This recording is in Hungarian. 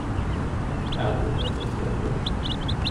Elmúlt egy esztendő.